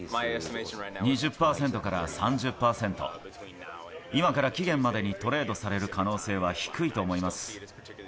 ２０％から３０％、今から期限までにトレードされる可能性は低いと思います。